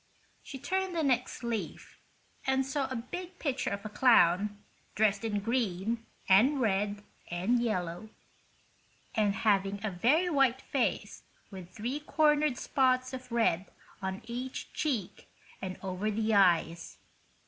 She turned the next leaf, and saw a big picture of a clown, dressed in green and red and yellow, and having a very white face with three cornered spots of red on each cheek and over the eyes.